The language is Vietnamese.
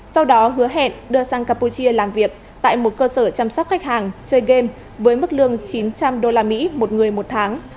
sau đó hứa hẹn đưa sang campuchia làm việc tại một cơ sở chăm sóc khách hàng chơi game với mức lương chín trăm linh usd một người một tháng